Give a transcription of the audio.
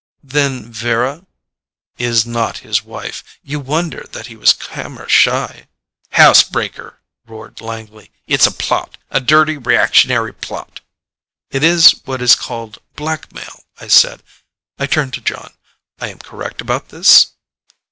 "Then Vera ?" "Is not his wife. You wonder that he was camera shy?" "Housebreaker!" roared Langley. "It's a plot; a dirty, reactionary plot!" "It is what is called blackmail," I said. I turned to Jon. "I am correct about this?"